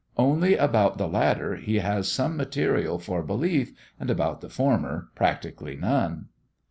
Only about the latter he has some material for belief and about the former practically none.